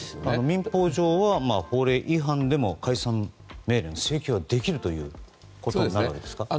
民法上は、法令違反でも解散命令の請求ができるということになるわけですか？